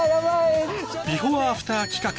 ビフォーアフター企画